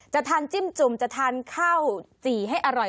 จะทานจิ้มจุ่มจะทานข้าวจี่ให้อร่อย